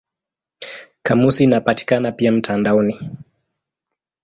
Kamusi inapatikana pia mtandaoni.